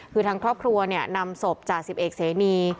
คือท่านท่อครัวเนี่ยนำศพจติศาสตร์ศิษย์เศรนี